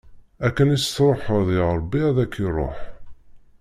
Akken i s-tṛuḥeḍ i Ṛebbi, ad ak-iṛuḥ.